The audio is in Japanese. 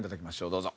どうぞ。